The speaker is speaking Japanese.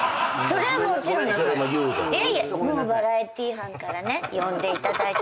バラエティー班からね呼んでいただいて。